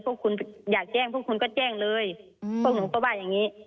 พวกคุณอยากแจ้งพวกคุณก็แจ้งเลยพวกหนูก็ว่าอย่างนี้